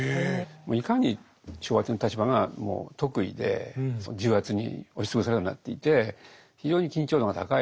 いかに昭和天皇の立場がもう特異で重圧に押し潰されるようになっていて非常に緊張感が高い。